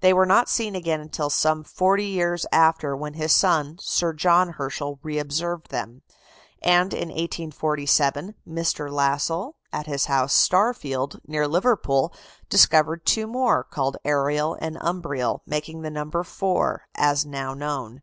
They were not seen again till some forty years after, when his son, Sir John Herschel, reobserved them. And in 1847, Mr. Lassell, at his house, "Starfield," near Liverpool, discovered two more, called Ariel and Umbriel, making the number four, as now known.